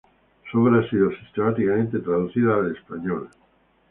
Su obra ha sido sistemáticamente traducida al español.